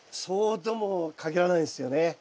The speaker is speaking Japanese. そうとも限らないんですよね。